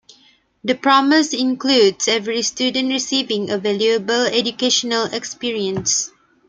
The promise includes every student receiving a valuable educational experience.